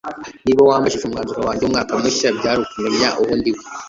niba wambajije umwanzuro wanjye w'umwaka mushya, byari ukumenya uwo ndiwe